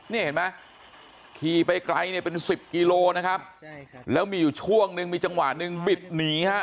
นี่เห็นไหมขี่ไปไกลเนี่ยเป็นสิบกิโลนะครับแล้วมีอยู่ช่วงนึงมีจังหวะหนึ่งบิดหนีฮะ